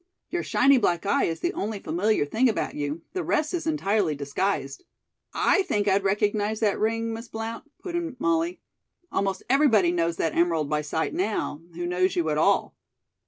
"Your shiny black eye is the only familiar thing about you. The rest is entirely disguised." "I think I'd recognize that ring, Miss Blount," put in Molly. "Almost everybody knows that emerald by sight now, who knows you at all."